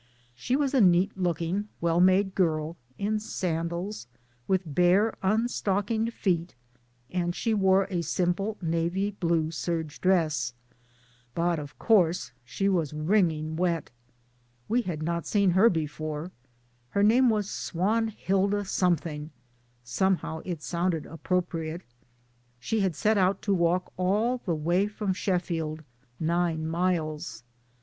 She was a neat looking well made girl, in sandals, with bare, un stockinged feet, and she wore a simple navy blue serge dress ; but of course she was wringing wet. We had not seen her before ; her name was Swan hilda Something (somehow it sounded appropriate) ; she had set out to walk all the way from Sheffield (nine miles).